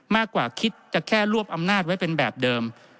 มากกว่าคิดจะแค่รวบอำนาจไว้เป็นแบบเดิม